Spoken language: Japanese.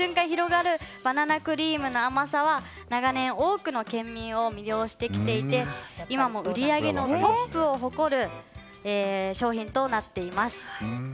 広がるバナナクリームの甘さは長年、多くの県民を魅了してきていて今も売り上げのトップを誇る商品となっています。